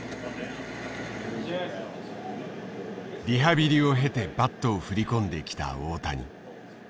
リハビリを経てバットを振り込んできた大谷。